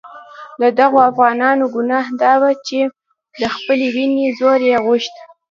د دغو افغانانو ګناه دا وه چې د خپلې وینې زور یې غوښت.